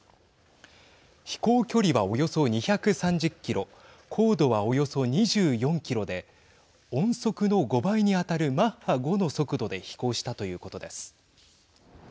飛行距離は、およそ２３０キロ高度は、およそ２４キロで音速の５倍に当たるマッハ５の速度で飛行したということです。